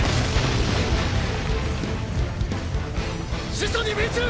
始祖に命中！！